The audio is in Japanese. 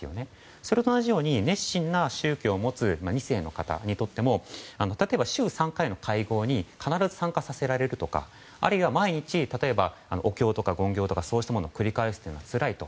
それと同じように熱心な宗教を持つ２世の方にとっても例えば週３回の会合に必ず参加させられるとかあるいは毎日、お経とかを繰り返すのがつらいとか。